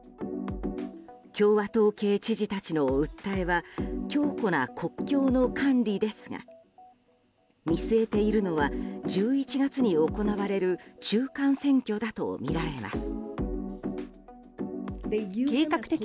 共和党系知事たちの訴えは強固な国境の管理ですが見据えているのは１１月に行われる中間選挙だとみられます。